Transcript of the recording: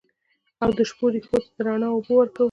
او د شپو رېښو ته د رڼا اوبه ورکوو